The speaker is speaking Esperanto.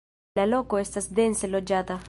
La loko estas dense loĝata.